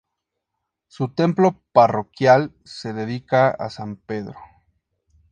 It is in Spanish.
Su templo parroquial se dedica a San Pedro.